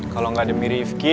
kalo gak demi rifki